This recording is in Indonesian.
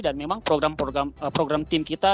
dan memang program program tim kita